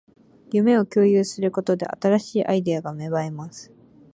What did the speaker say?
夢を共有することで、新しいアイデアが芽生えます